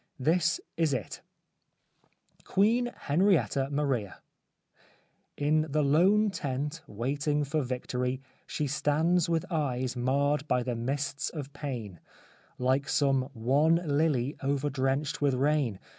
This is it :— QUEEN HENRIETTA MARIA In the lone tent, waiting for victory, She stands with eyes marred by the mists of pain, Like some wan lily overdrenched with rain.